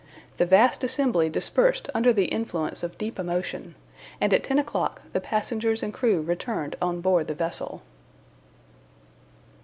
The vast assembly dispersed under the influence of deep emotion, and at ten o'clock the passengers and crew returned on board the vessel.